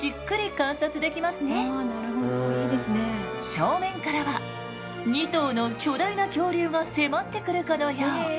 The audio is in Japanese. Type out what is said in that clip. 正面からは２頭の巨大な恐竜が迫ってくるかのよう。